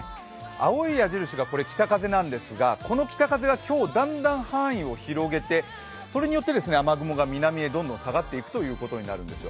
青い矢印が北風なんですが、この北風が今日だんだん範囲を広げてそれによって雨雲がどんどん南へ下がっていくということになるんですよ。